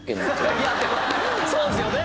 そうですよね！